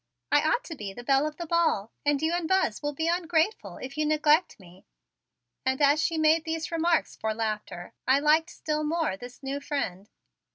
I ought to be the belle of that ball and you and Buzz will be ungrateful if you neglect me," and as she made these remarks for laughter, I liked still more this new friend.